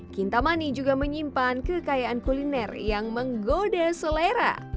kintamani juga menyimpan kekayaan kuliner yang menggoda selera